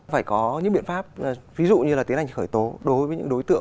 phải có những biện pháp ví dụ như là tiến hành khởi tố đối với những đối tượng